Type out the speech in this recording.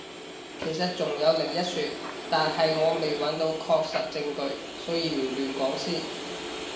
其實仲有另一說，但係我未揾到確實證據，所以唔亂講先